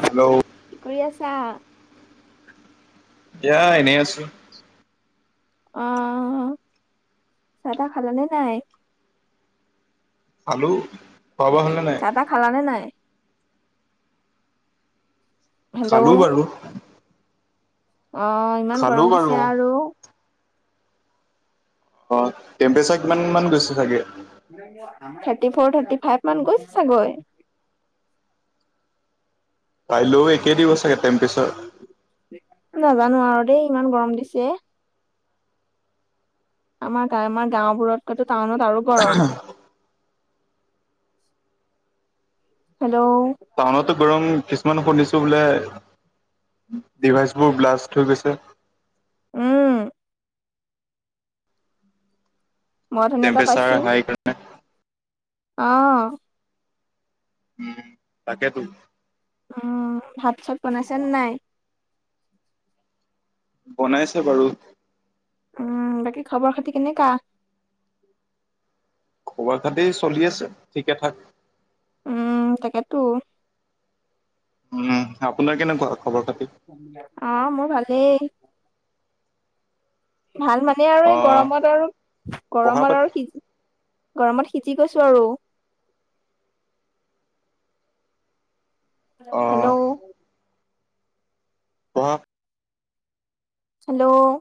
Hello কি কৰি আছা এয়া এনেই আছো আহ চাহ তাহ খালানে নাই হেল্ল' চাহ তটা খাল নে নাই হেল্ল' খালো বাৰু অ ইমান খালো গৰম বাৰু দিছে আৰু অ টেম্পৰেচাৰ কিমান মান গৈছে চাগে ফ থাৰ্টি ফাইভ মান গৈ চাগৈ কালৈ একে' দিব ছাগে টেম্পেছাৰ নাজানো আৰু দেই ইমান গৰম দিছে আমাৰ গা আমাৰ গাঁওবোৰতকৈতো টাউনত আৰু গৰম হেল্ল' টাউনতো গৰম কিছুমান শুনিছোঁ বোলে ডিভাইচবোৰ ব্লাষ্ট হৈ গৈছে উম বৰ ধুনীয়া এটা টেম্পৰেচাৰ পাইছো হাই কাৰণে আহ উম তাকে তো অ ভাত চাত বনাইছেনে নাই বনাইছো বাৰু উম বাকী খবৰ খাতি কেনেকাা খবৰ খাতি চলি আছে ঠিকে থাক উম তাকেতো উম আপোনাৰ কেনেকুৱা খবৰ খাতি অ মোৰ ভালেই ভাল মানে আৰু অ এই গৰমত আৰু পঢ়া গৰমত পাতি আৰু সিজি গৰমত সিজি গৈছো আৰু অ হেল্ল' পঢ়া হেল্ল'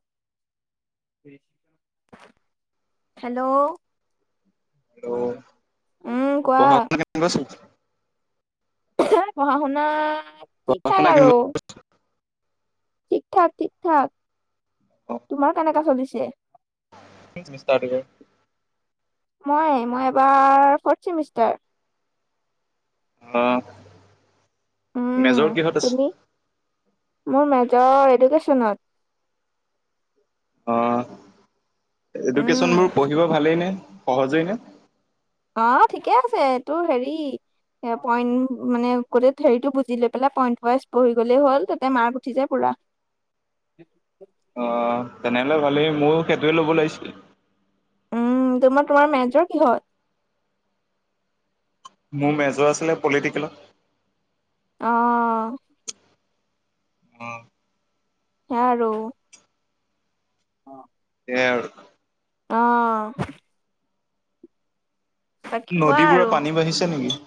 হেল্ল' হেল্ল', উম কোৱা পঢ়া শুনা কেনেকুৱা চলিছে পঢ়া শুনা ঠিক পঢ়া থাক শুনা আৰু ঠিক ঠাক ঠিক ঠাক তোমাৰ কেনেকা চলিছে কি বিস্তাৰ দিব মই মই এবাৰ ফৰ্থ চেমিষ্টাৰ অহ উম মেজৰ কিহত আছে তুমি মোৰ মেজৰ এডুকেচনত অ উম এডুকেশ্যনবোৰ পঢ়িব ভালেই নে সহজেই নে অ ঠিকে আছে তোৰ হেৰি সে পইণ্ট মানে গোটেই থেৰিটো বুজি লৈ পেলাই পইন্ট ৱাইজ পঢ়ি গলেই হ'ল তাতে মাৰ্ক উঠি যায় পুৰা [unintelligible] অ তেনেহলে ভালেই মোইও সেইটোৱে ল'ব লাগিছিলে উম তোমাৰ তোমাৰ মেজৰ কিহত মোৰ মেজৰ আছিলে পলিটিকেলত অহ অ হ আৰু অ এ অহ কোৱা নদীবোৰৰ আৰু পানী বাঢ়িছে নিকি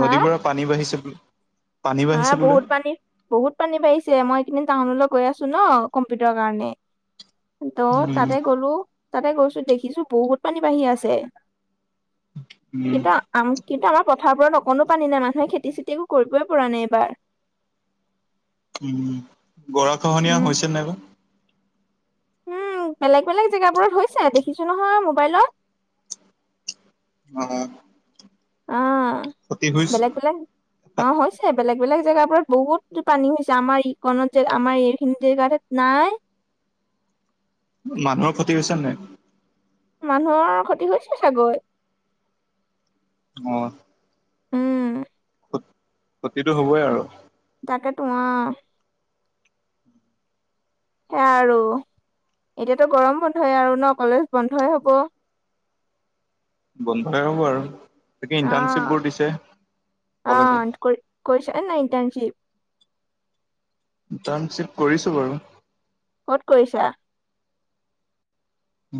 নদীবোৰৰ পানী বাঢ়িছে বোলে পানী হা বাঢ়িছে বোলে। বহুত পানী বহুত পানী বাঢ়িছে মই এইকেইদিন টাউনলৈ গৈ আছো ন কম্পিউটাৰ কাৰণে ত' উম, তাতে গলো তাতে গৈছো দেখিছো বহুত পানী বাঢ়ি আছে উম, কিন্তু আম কিন্তু আমাৰ পথাৰবোৰত অকনো পানী নাই মানুহে খেতি চেতি একো কৰিবই পৰা নাই এইবাৰ উম গৰা খহনীয়া উম হৈছে নাই বা উম বেলেগ বেলেগ জেগাবোৰত হৈছে দেখিছো নহয় মোবাইলত অ অ ক্ষতি হৈছে বেলেগ বেলেগ অ হৈছে বেলেগ বেলেগ জেগাবোৰত বহুত পানী হৈছে আমাৰ ই কণত আমাৰ এইখিনি জেগাতহে নাই মানুহৰ ফতি হৈছে নাই মানুহৰ ক্ষতি হৈছে চাগৈ অ উম ক্ষতিটো হ'বই আৰু তো ৱাহ সে আৰু এতিয়াতো গৰম বন্ধই আৰু ন কলেজ বন্ধই হব বন্ধই হ'ব আৰু তাকে অ', ইণ্টাৰ্ণশ্বিপবোৰ দিছে কলেজত কৰিছানে নাই ইণ্টাৰনশিপ ইণ্টাৰ্ণশ্বিপ কৰিছো বাৰু কত কৰিছা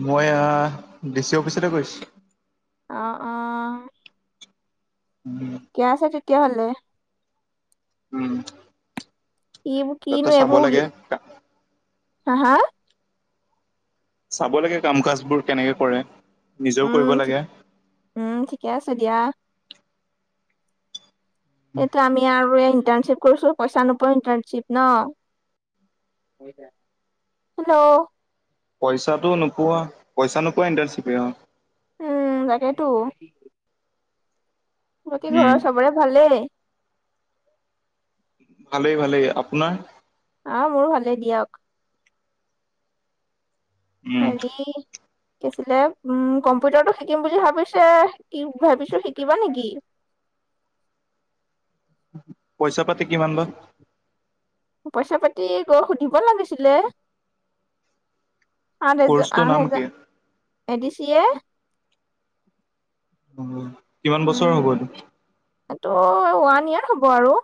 মই আ ডিচি অফিচতে কৰিছিলো অহ অহ [unintelligible] কিয় হাল্লে উম ই তাতে কিনো চাব এইবোৰ লাগে হা, হা চাব লাগে, কাম কাজবোৰ কেনেকে কৰে নিজেও কৰিব উম, লাগে উম ঠিকে আছে দিয়া এইটো আমি আৰু ইণ্টাৰণশ্বিপ কৰিছো, পইচা নোপোৱা ইণ্টাৰ্ণশ্বিপ নহ হেল্ল পইচাটো নোপোৱা, পইচা নোপোৱা ইণ্টাৰনেচিপে অহ। উম, তাকেইতো বাকী উম। ঘৰৰ চবৰে ভালেই। ভালেই ভালেই আপোনাৰ। অহ মোৰো ভালেই দিয়ক। উম, হেৰি শিকিছিলে, উম, কম্পিউটাৰটো শিকিম বুলি ভাবিছে কি ভাবিছো শিকিবা নেকি? পইচা-পাতি কিমান বা? পইচা-পাতি গৈ সুধিব লাগিছিলে। সাত-হেজা, কৰ্চটোৰ নাম আঠ-হেজা কি? এ দি চি এ। উম, কিমান বছৰ উম হ'ব এইটো? এইটো ওৱান ইয়েৰ হ'ব আৰু।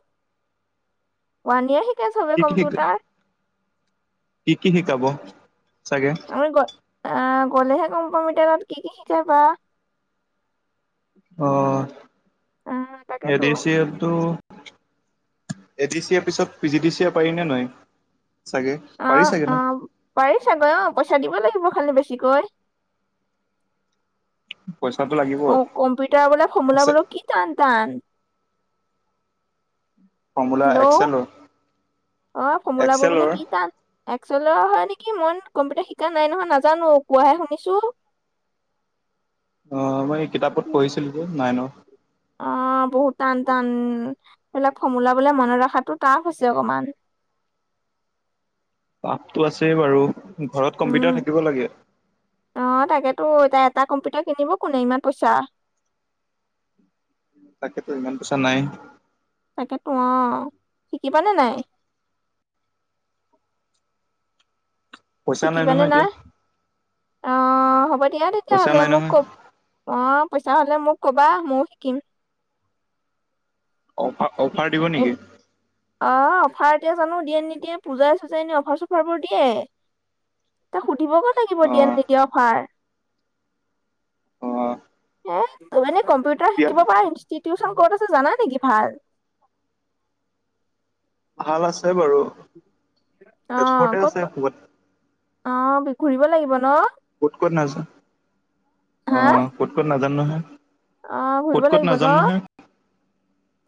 ওৱান ইয়েৰ শিকে চবে কি কি শিক কম্পিউটাৰ। কি কি শিকাব চাগে? আমি গ আহ গ'লেহে গম পাম এতিয়া তাত কি কি শিকায় বা। অ' আহ এ তাকেতো ডি চি এ টো। এ ডি চিয়ে পিছত পি জি ডি চিয়ে পাৰি নে নোৱাৰিম? অ' অ' পাৰি চাগৈ, অ' পইচা দিব লাগিব। খালি বেছিকৈ পইচাটো লাগিব অ' কম্পিউটাৰ বোলে আছে ফৰ্মুলাবোৰো কি টান টান। Formula hello এক্সেলৰ? অ' ফৰ্মুলাবোৰ এক্সেলৰ বোলে কি টান এক্সেলৰ হয় নেকি? মইনো কম্পিউটাৰ শিকা নাই নহয় নাজানো। কোৱাহে শুনিছো। অ' মই এই কিতাপত পঢ়িছিলো যে নাইনৰ। অ' বহুত টান টান এইবিলাক ফৰ্মুলা বোলে মনত ৰখাতো টাফ আছে অকমান। [inaudible] পাপটো আছেই বাৰু, ঘৰত কম্পিউটাৰ উম, থাকিব লাগে। ত' এটা-এটা কম্পিউটাৰ কিনিব কোনে? ইমান পইচা। তাকেতো ইমান পইচা নাই। তাকে তো অ শিকিবানে নাই? পইচা নাই নহয় এতিয়া অ হ'ব দিয়া পইচা তেতিয়াহ'লে নাই মোক ক নহয় অ পইচা হলে মোক কবা মইও শিকিম অ ভ অ অফাৰ এতিয়া জানো দিয়ে নিদিয়ে পূজাই চুজাই এনে অফাৰ চফাৰ বোৰ দিয়ে এ দিব ক লাগিব দিয়ে অ' নিদিয়া অফাৰ অ' এ মানে কম্পিউটাৰ ইয়াত শিকিব পাৰা ইনষ্টিটিউট ক'ত আছে জানা নেকি ভাল? ভাল আছে বাৰু অ', তেজপুৰতে ক'ত আছে ক'ত খুবত অ ঘুৰিব লাগিব ন। ক'ত ক'ত নাজা, অহ, ক'ত ক'ত নাজানোঁ নহয়। অহ, ঘুৰিব ক'ত ক'ত লাগিব ন? নাজানো নহয়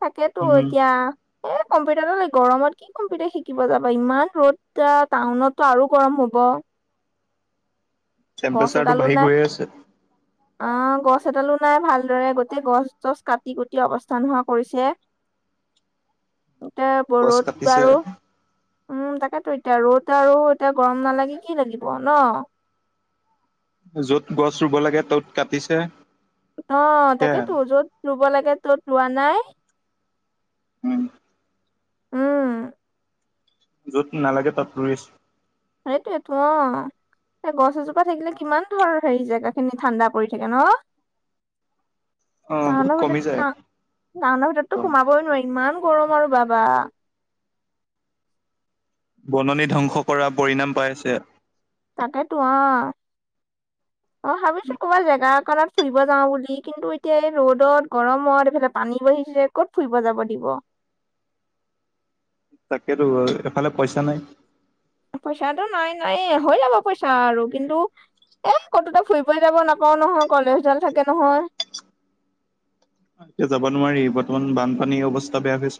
তাকেতো উম। এতিয়া এহ, কম্পিউটাৰৰ এ, গৰমত কি কম্পিউটাৰ শিকিব যাবা? ইমান ৰ'দ তা-টাউনততো আৰু গৰম হ'ব। অহ। টেম্পেচাৰটো বাঢ়ি গৈয়ে আছে। অহ, গছ এডালো নাই ভালদৰে। গোটেই গছ-তছ কাটি কুটি অৱস্থা নোহোৱা কৰিছে। এটে গছ বৰুত কাটিছে বাৰু উম, তাকেতো এতিয়া ৰ'দ আৰু এতিয়া গৰম নালাগি কি লাগিব ন? য'ত গছ ৰুব লাগে ত'ত কাটিছে। অহ, সেয়াই তাকেতো য'ত ৰুব লাগে ত'ত ৰোৱা নাই। উম। উম। য'ত নালাগে তাত ৰুই আছে। সেইটোয়েটো, অহ। গছ এজোপা থাকিলে কিমান ধৰ হেৰি জেগাখিনি ঠাণ্ডা পৰি থাকে ন? অ', বহুত টাউনৰ কমি ভিতৰত যায়। টা-টাউনৰ ভিতৰতো সোমাবই নোৱাৰি ইমান [unintelligible] বাবা বননি ধ্বংস কৰা পৰিণাম পাই আছে। তাকেতো অ', অ', ভাবিছো ক'বা জেগাত দোকানত ফুৰিব যাওঁ বুলি কিন্তু এতিয়া এই ৰ'দত গৰমত এইফালে পানী বাহিছে ক'ত ফুৰিব যাব দিব। তাকেতো [unintelligible] এফালে পইচা নাই। পইচাটো নাই -নাইয়ে হৈ যাব পইচা আৰু কিন্তু এ কতোত ফুৰিবই ফুৰিব যাব নাপাওঁ নহয় কলেজডাল থাকে নহয়। এতিয়া যাব নোৱাৰি বৰ্তমান বানপানীৰ অৱস্থা বেয়া হৈছে।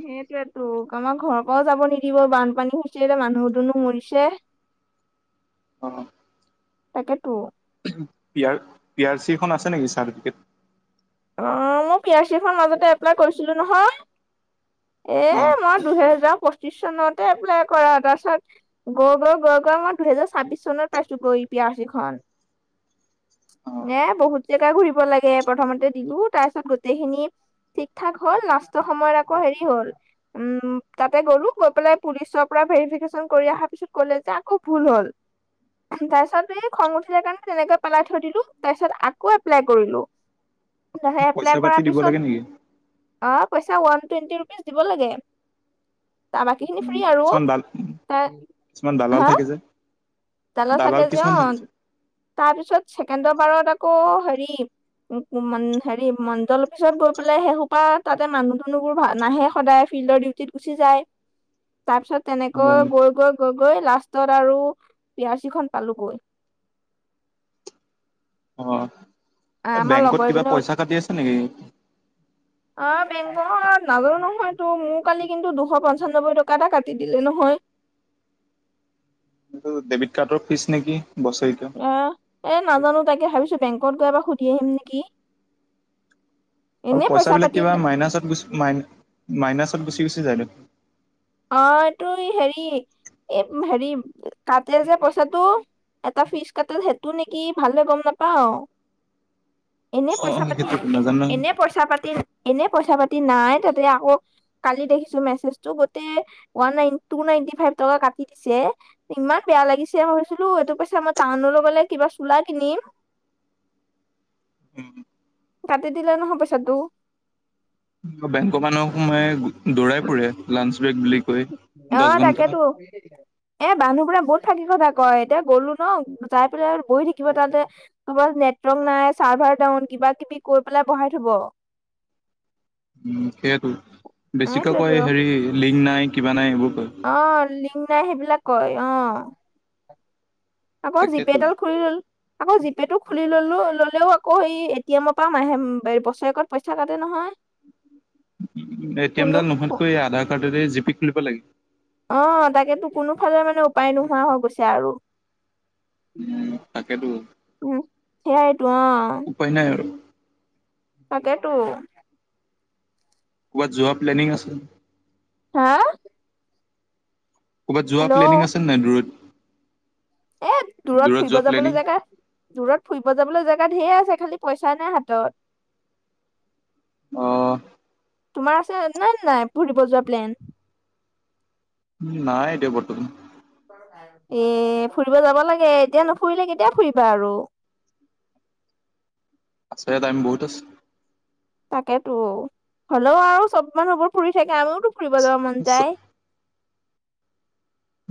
সেইটোৱে তো কামাম ঘৰৰ পৰাও যাব নিদিব বানপানী হুইছে মানুহ দুনো মৰিছে। অ', তাকেইতো। পি আৰ- পি আৰ চিখন আছে নেকি চাৰ্টিফিকেট? অ মই পি আৰ চি এ মাজতে এপ্লাই কৰিছিলো নহয় এ অ', মই দুহেজাৰ পঁচিশ চনতে এপ্লাই কৰা তাৰপাছত গ গ গ গ মই দুহেজাৰ ছাব্বিশ চনত পাইছো গৈ। প সিখন [unintelligible] অ'। এ বহুত জেগা ঘুৰিব লাগে প্ৰথমতে দিলো তাৰ পিছত গোটেইখিনি, ঠিক ঠাক হ'ল লাষ্টৰ সময়ত আকৌ হেৰি হ'ল উম তাতে গলো গৈ পেলাই পুলিচৰ পৰা কৰিা অহাৰ্ পিছত কলে যে আকৌ ভুল হ'ল। তাৰ পিছত এই খং উঠিলে কাৰণে তেনেকে পেলাই থৈ দিলো তাৰ পিছত আকৌ এপ্লাই কৰিলো। উ [unintelligible] লাহে এপ্লাই কৰাৰ পিছত অ পইচা ওৱান টুৱেণ্টি ৰুপিজ দিব লাগে তাৰ এইখিনি ফ্ৰী আৰু কিছুমান দাল কিছুমান দালাল হা থাকে যে দালা থাকে দালাল জে অ কিছুমান থাকে যে। তাৰপিছত ছেকেণ্ড বাৰত আকৌ হেৰি হেৰি মণ্ডলৰ অফিছত গৈ পেলাই শেইসোপা তাতে মানুহ দুনুবোৰ নাহে সদায়। প্ৰ ডিউটিত গুচি যায়। [unintelligible] তাৰ পিছত তেনেকৈ অ', গৈ গৈ গৈ গৈ লাষ্টত আৰু- পিয়াৰচিখন পালো গৈ। অ বেংকত কিবা এজনে পইচা কাটি আছে নেকি? অ বেংকত নাজানো নহয় তো মোৰ কালি কিন্তু দুশ পঞ্চান্নব্বৈ টকা এটা কাটি দিলে নহয়। কি ডেবিট কাৰ্ডৰ ফিজ নেকি? বছৰেকীয়া অ এ নাজানো তাকে ভাবিছো বেংকত গৈ বা সুধি আহিম নেকি। আৰু এনে পইচা পইচাবিলাক পাতি কিবা মাইনাছত গুচি গুচি যায় দে অ এইটো হেৰি এই হেৰি কাটে যে পইচাটো এটা ফিচ কাটেল সেইটো নেকি ভালদৰে গম নাপাও এনে পইচা অ', পাতি সেইটোতো নাজানো নহয়। এনে পইচা পাতি এনে কথা পাতি নাই তাতে আকৌ কালি দেখিছো মেছেজটো গোটেই [inaudible] ওৱান ননট টু নাইনটি ফাইভ টকা কাটি দিছে ইমান বেয়া লাগিছে মই ভাবিছিলো এইটো পইচা মই টাউনত গলে কিবা চোলা কিনিম উম কাটি দিলে নহয় পইচাটো বেংকৰ মানুহক সোমায় দৌৰাই ফুৰে লাঞ্জ অহ তাকেতো এ বানুহ বোৰে বহুত থাকি কথা কয় এতিয়া গলো ন যাই পেলাই বহি থাকিব তাতে নেটৱৰ্ক নাই চাৰ্ভাৰ ডাউন কিবা কিবি কৈ পেলাই বঢ়াই থব উম সেইটো বেছিকে সেইটোৱেতো কৈ হেৰি লিংক নাই কিবা নাই এইবোৰ কয় আহ লিং নাই সেইবিলাক কয় অ। আকৌ জিপে তাকেতো ডাল খোল আকৌ জি পে' টো খুলি ললো ললেও আকৌ সেই এ টিএমৰ পৰা মাহে বছৰেকত পইচা কাটে নহয় এটিম কোনো ডাল নোহোৱাতকৈ আধাৰ কাৰ্ডৰে জি পি খুলিব লাগে অ তাকেতো কোনোফালে মানে উপায় নোহোৱা হৈ গৈছে আৰু। উম, তাকেতো উম সেয়াইটো অ উপায় নাই আৰু তাকেইতো কবাত যোৱা প্লেনিং আছে হা ক'ৰবাত যোৱা হেল্ল'। প্লেনিং আছে নাই দূৰত? এ দূৰত ফুৰিব যোৱা প্লেনিং যাবলৈ জেগা দূৰত ফুৰিব যাবলৈ জেগা ধঢেৰ আছে খালি পইচা নাই হাতত অ তোমাৰ আছে নে নাই ফুৰিব যোৱা প্লেন? নাই এতিয়া বৰ্তমান। এ ফুৰিব যাব লাগে, এতিয়া নুফুৰিলে কেতিয়া ফুৰিবা আৰু। আছে টাইম বহু আছে। তাকেতো হ'লেও আও চব মানুহবোৰ ফুৰি থাকে আমি ফুৰিব যাব মন যায়।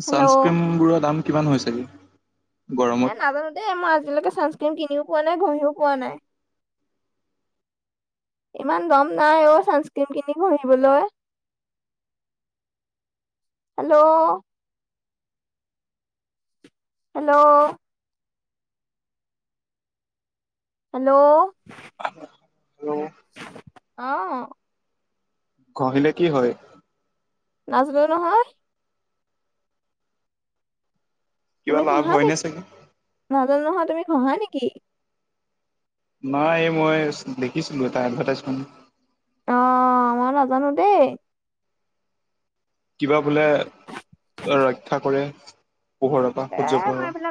হেল্ল' ছানস্ক্ৰীমবোৰৰ দাম কিমান হৈছেগে? এ নাজানো দেই, মই আজিলৈকে ছানস্ক্ৰীম কিনিও পোৱা নাই ঘহিও পোৱা নাই। ইমান দম নাই অ ছানস্ক্ৰীম কিনি ঘহিবলৈ। [inaudible] হেল্ল' হেল্ল' হেল্ল' হেল্ল' অ ঘহিলে কি হয়? নাজনো নহয়। কিবা তুমি লাভ ঘহা নি? হয়নে চাগে নাজানো নহয়, তুমি ঘহা নেকি? নাই এই মই দেখিছিলো এটা এডভাৰটাইজমেণ্ট। অ মই নাজানো দেই। কিবা বোলে ৰক্ষা কৰে। পোহৰ পৰা এ সূৰ্য পোহৰ মই